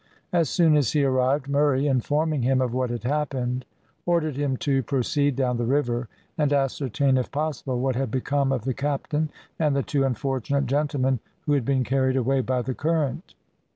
As soon as he arrived, Murray, informing him of what had happened, ordered him to proceed down the river and ascertain, if possible, what had become of the captain and the two unfortunate gentlemen who had been carried away by the current.